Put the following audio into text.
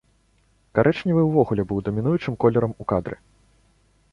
Карычневы ўвогуле быў дамінуючым колерам у кадры.